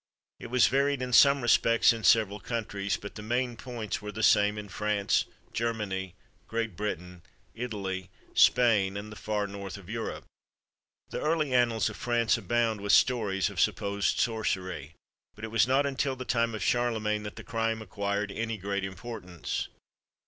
It was varied in some respects in several countries, but the main points were the same in France, Germany, Great Britain, Italy, Spain, and the far North of Europe. The early annals of France abound with stories of supposed sorcery, but it was not until the time of Charlemagne that the crime acquired any great importance.